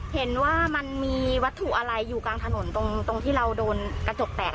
เห็นว่ามันมีวัตถุอะไรอยู่กลางถนนตรงที่เราโดนกระจกแตก